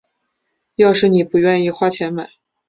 要是妳不愿意花钱买